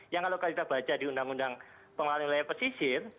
yang kalau kita baca di undang undang pengelolaan wilayah pesisir